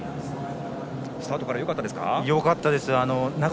スタートからよかったですか？